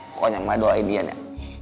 pokoknya mak doain ian ya